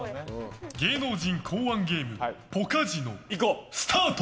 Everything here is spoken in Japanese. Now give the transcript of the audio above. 芸能人考案ゲームポカジノスタート！